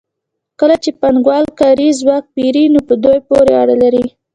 کله چې پانګوال کاري ځواک پېري نو په دوی پورې اړه لري